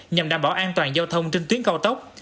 nhằm đảm bảo an toàn giao thông trên tuyến cao tốc